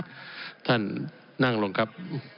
ท่านนั่งลงครับ